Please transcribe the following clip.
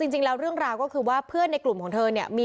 จริงแล้วเรื่องราวก็คือว่าเพื่อนในกลุ่มของเธอเนี่ย